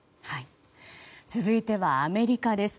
続いてはアメリカです。